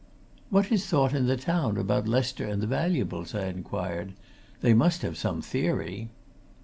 "What is thought in the town about Lester and the valuables?" I inquired. "They must have some theory?"